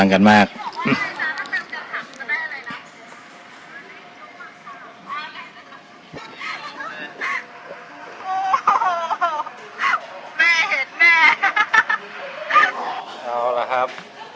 แนะนำตัวนะครับ